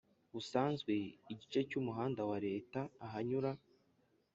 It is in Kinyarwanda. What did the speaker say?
busanzwe igice cy umuhanda wa Leta uhanyura